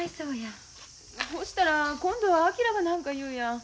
ほしたら今度は昭が何か言うやん。